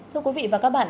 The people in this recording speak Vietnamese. thưa quý vị và các bạn